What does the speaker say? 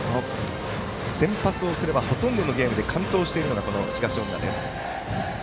先発をすればほとんどのゲームで完投しているのが東恩納です。